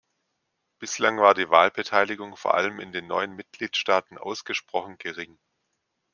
Bislang war die Wahlbeteiligung vor allem in den neuen Mitgliedstaaten ausgesprochen gering.